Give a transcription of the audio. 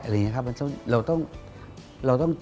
อะไรอย่างนี้ครับเราต้อง